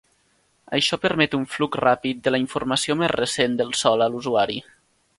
Això permet un flux ràpid de la informació més recent del sòl a l'usuari.